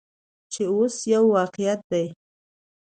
چې اوس یو واقعیت دی.